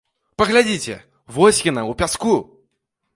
Паглядзіце, вось яна ў пяску!